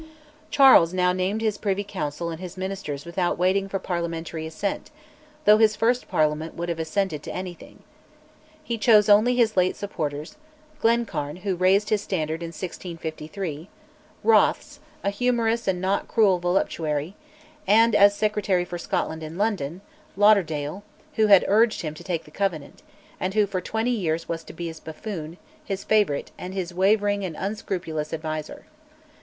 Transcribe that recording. Charles now named his Privy Council and Ministers without waiting for parliamentary assent though his first Parliament would have assented to anything. He chose only his late supporters: Glencairn who raised his standard in 1653; Rothes, a humorous and not a cruel voluptuary; and, as Secretary for Scotland in London, Lauderdale, who had urged him to take the Covenant, and who for twenty years was to be his buffoon, his favourite, and his wavering and unscrupulous adviser.